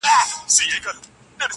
په یوه شان وه د دواړو معاسونه,